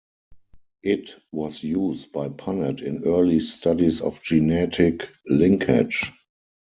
It was used by Punnett in early studies of genetic linkage.